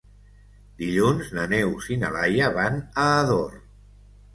Dilluns na Neus i na Laia van a Ador.